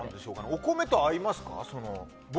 お米と合いますか？